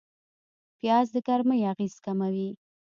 پیاز د ګرمۍ اغېز کموي